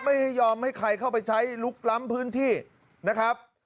ไม่ยอมให้ใครเข้าไปใช้ลุกล้ำพื้นที่นะครับ